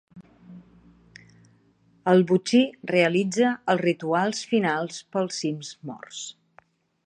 El Botxí realitza els rituals finals pels Sims morts.